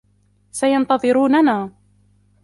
سينتظروننا.